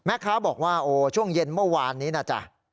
แม่ค้าบอกว่าโอ้ช่วงเย็นเมื่อวานนี้นะจ๊ะ